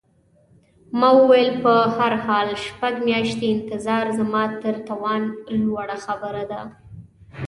ما وویل: په هر حال، شپږ میاشتې انتظار زما تر توان لوړه خبره ده.